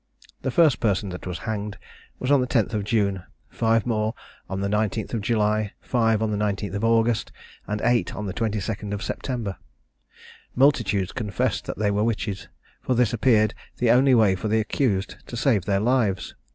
The first person that was hanged was on the 10th of June, five more on the 19th of July, five on the 19th of August, and eight on the 22nd of September. Multitudes confessed that they were witches; for this appeared the only way for the accused to save their lives.